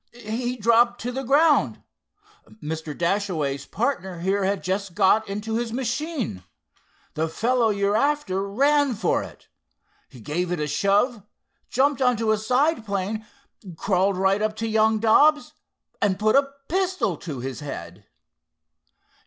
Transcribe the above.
"He dropped to the ground. Mr. Dashaway's partner here had just got into his machine. The fellow you're after ran for it. He gave it a shove, jumped onto a side plane, crawled right up to young Dobbs, and put a pistol to his head!"